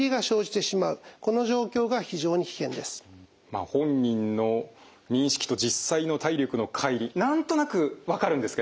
まあ本人の認識と実際の体力のかい離何となく分かるんですけども。